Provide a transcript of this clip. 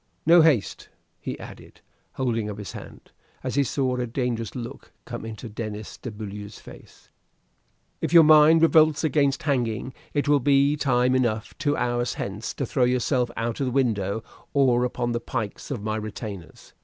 No haste!" he added, holding up his hand, as he saw a dangerous look come into Denis de Beaulieu's face. "If your mind revolts against hanging, it will be time enough two hours hence to throw yourself out of the window or upon the pikes of my retainers.